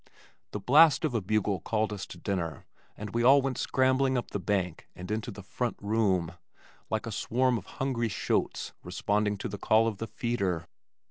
The blast of a bugle called us to dinner and we all went scrambling up the bank and into the "front room" like a swarm of hungry shotes responding to the call of the feeder.